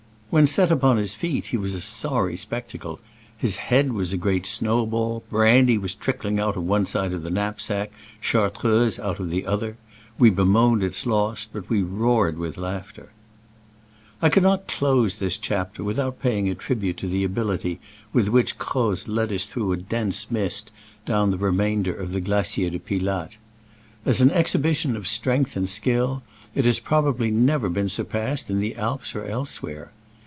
When set upon his feet he was a sorry spectacle : his head was a great snow ball, brand) was trickling out of one side of the knapsack, Chartreuse out of the other. We bemoaned its loss, but we roared with laughter. I cannot close this chapter without paying a tribute to the ability with which Croz led us through a dense mist down the remainder of the Glacier de Pilatte. As an exhibition of strength and skill it has probably never been surpassed in the Alps or elsewhere.